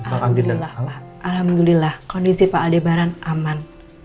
alhamdulillah pak alhamdulillah kondisi pak aldebaran aman